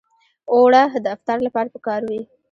اوړه د افطار لپاره پکار وي